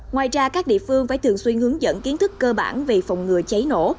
ngoài ra các địa phương phải thường xuyên hướng dẫn kiến thức cơ bản về phòng ngừa cháy nổ